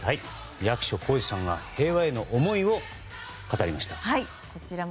役所広司さんが平和への思いを語りました。